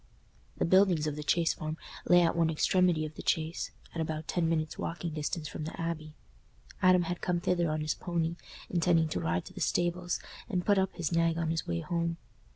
The buildings of the Chase Farm lay at one extremity of the Chase, at about ten minutes' walking distance from the Abbey. Adam had come thither on his pony, intending to ride to the stables and put up his nag on his way home.